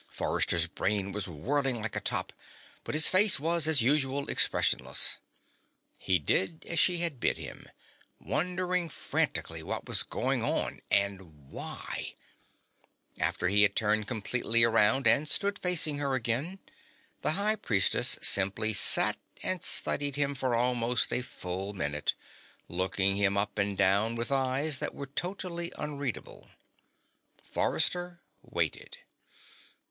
Forrester's brain was whirling like a top, but his face was, as usual, expressionless. He did as she had bid him, wondering frantically what was going on, and why? After he had turned completely around and stood facing her again, the High Priestess simply sat and studied him for almost a full minute, looking him up and down with eyes that were totally unreadable. Forrester waited.